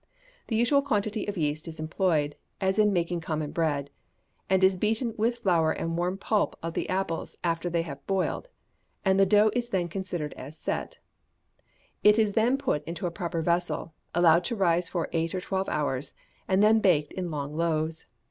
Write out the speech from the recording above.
The usual quantity of yeast is employed, as in making common bread, and is beaten with flour and warm pulp of the apples after they have boiled, and the dough is then considered as set; it is then put in a proper vessel, and allowed to rise for eight or twelve hours, and then baked in long loaves.